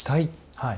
はい。